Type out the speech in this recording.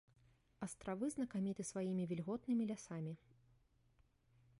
Астравы знакаміты сваімі вільготнымі лясамі.